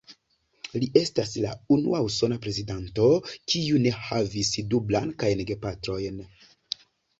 Li estas la unua usona prezidanto kiu ne havis du blankajn gepatrojn.